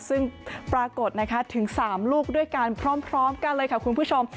ซึ่งปรากฏนะคะถึง๓ลูกด้วยกันพร้อมกันเลยค่ะคุณผู้ชม